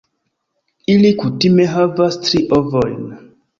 Ili kutime havas tri ovojn.